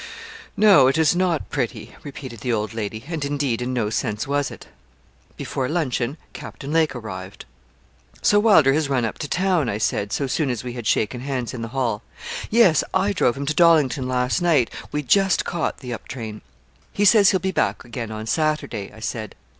'No; it is not pretty,' repeated the old lady; and, indeed, in no sense was it. Before luncheon Captain Lake arrived. 'So Wylder has run up to town,' I said, so soon as we had shaken hands in the hall. 'Yes; I drove him to Dollington last night; we just caught the up train.' 'He says he'll be back again on Saturday,' I said.